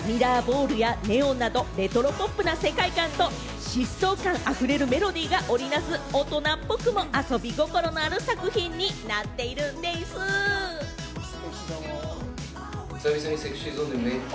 ミラーボールやネオンなど、レトロポップな世界観と疾走感あふれるメロディーが織りなす大人っぽくも遊び心のある作品になっているんでぃす。